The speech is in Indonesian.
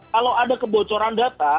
kalau ada kebocoran data